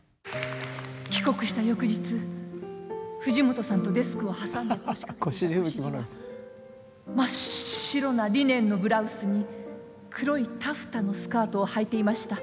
帰国した翌日藤本さんとデスクを挟んで腰掛けていた越路は真っ白なリネンのブラウスに黒いタフタのスカートをはいていました。